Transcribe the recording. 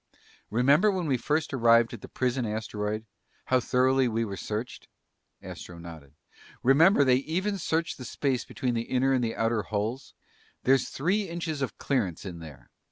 "Remember when we first arrived at the prison asteroid? How thoroughly we were searched?" Astro nodded. "Remember, they even searched the space between the inner and outer hulls? There's three inches of clearance in there.